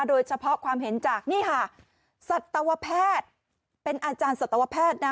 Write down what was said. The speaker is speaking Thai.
โดยเฉพาะความเห็นจากนี่ค่ะสัตวแพทย์เป็นอาจารย์สัตวแพทย์นะ